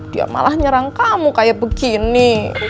dia malah nyerang kamu kayak begini